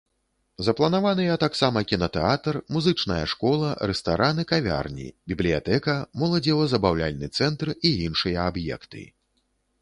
Запланаваныя таксама кінатэатр, музычная школа, рэстаран і кавярні, бібліятэка, моладзева-забаўляльны цэнтр і іншыя аб'екты.